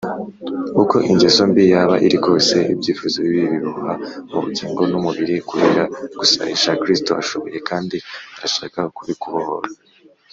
. Uko ingeso mbi yaba iri kose, ibyifuzo bibi biboha ubugingo n’umubiri kubera gusayisha, Kristo ashoboye kandi arashaka kubikubohora